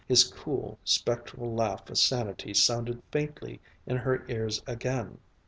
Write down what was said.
His cool, spectral laugh of sanity sounded faintly in her ears again.